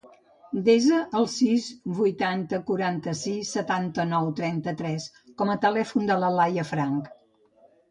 Desa el sis, vuitanta, quaranta-sis, setanta-nou, trenta-tres com a telèfon de la Laia Franch.